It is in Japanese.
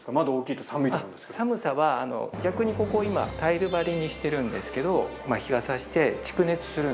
逆にここ今タイル張りにしてるんですけど。